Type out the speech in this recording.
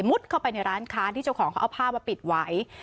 เข้าไปในร้านค้าที่เจ้าของเขาเอาผ้ามาปิดไว้